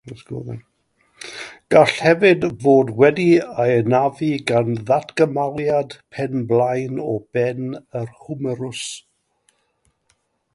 Gall hefyd fod wedi'i anafu gan ddatgymaliad pen blaen o ben yr hwmerws.